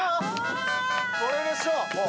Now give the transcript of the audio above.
これでしょうもう。